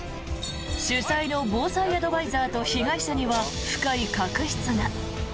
主宰の防災アドバイザーと被害者には深い確執が。